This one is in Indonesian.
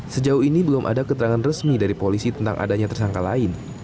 sejauh ini belum ada keterangan resmi dari polisi tentang adanya tersangka lain